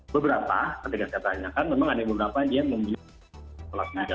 beberapa saya tanya tanya kan memang ada beberapa yang membeli tolak idul adha